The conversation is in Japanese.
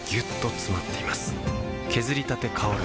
削りたて香る